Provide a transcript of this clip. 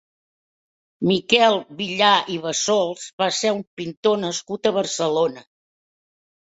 Miquel Villà i Bassols va ser un pintor nascut a Barcelona.